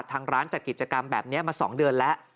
ทางร้านจัดกิจกรรมแบบนี้มา๒เดือนแล้ว